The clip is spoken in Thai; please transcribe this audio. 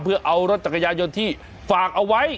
เพื่อเอารถจักรยายนที่ฝากเอาไว้